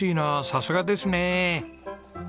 さすがですね。